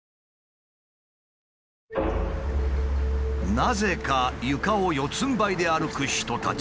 なぜか床を四つんばいで歩く人たち。